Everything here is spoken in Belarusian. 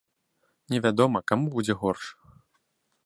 Невядома каму будзе горш.